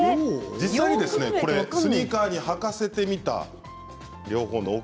実際にスニーカーにはかせてみました。